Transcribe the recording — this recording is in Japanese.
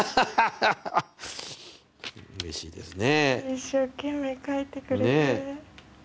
一生懸命描いてくれて。